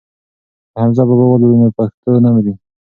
که حمزه بابا ولولو نو پښتو نه مري.